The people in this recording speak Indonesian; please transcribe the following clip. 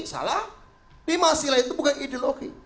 salah lima sila itu bukan ideologi